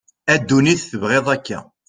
a dunit tebγiḍ akka